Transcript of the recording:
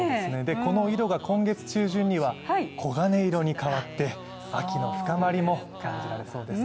この色が今月中旬には黄金色に変わって秋の深まりも感じられそうです。